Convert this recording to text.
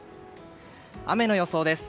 雨の予想です。